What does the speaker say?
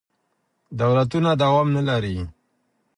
دولتونه دوام نه لري.